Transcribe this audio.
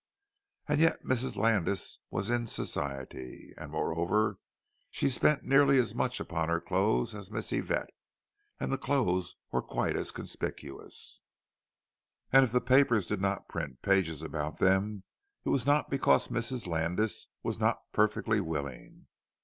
And yet Mrs. Landis was "in" Society! And moreover, she spent nearly as much upon her clothes as Miss Yvette, and the clothes were quite as conspicuous; and if the papers did not print pages about them, it was not because Mrs. Landis was not perfectly willing.